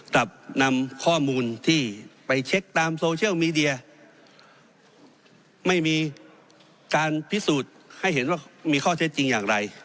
กลับนำข้อมูลที่ไปเช็คตามโซเชียลมีเดียไม่มีการพิสูจน์ให้เห็นว่ามีข้อเท็จจริงอย่างไร